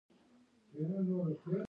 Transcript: د لاسي صنایعو بازار نه لرل زیان دی.